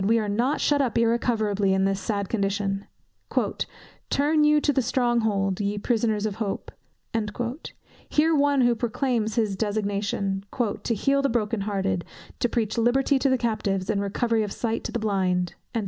we are not shut up irrecoverably in this sad condition: "Turn you to the strong hold, ye prisoners of hope;" hear one who proclaims his designation, "to heal the broken hearted, to preach liberty to the captives, and recovering of sight to the blind."